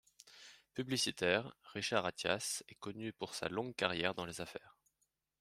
Publicitaire, Richard Attias est connu pour sa longue carrière dans les affaires.